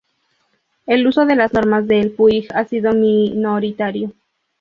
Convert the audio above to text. El uso de las Normas del Puig ha sido muy minoritario.